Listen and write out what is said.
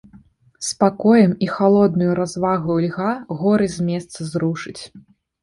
Спакоем і халоднаю развагаю льга горы з месца зрушыць.